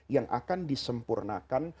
yang akan disempurnakan